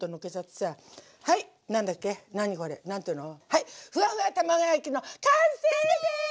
はいふわふわ卵焼きの完成です！